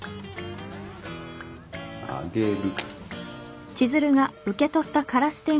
あげる。